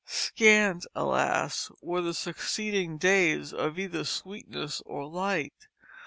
Scant, alas! were the succeeding days of either sweetness or light.